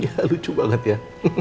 iya lucu banget ya